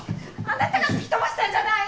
あなたが突き飛ばしたんじゃない！